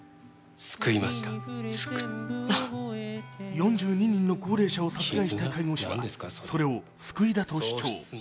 ４２人の高齢者を殺害した介護士は、それを救いだと主張。